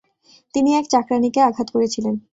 তিনি এক চাকরাণীকে আঘাত করেছিলেন।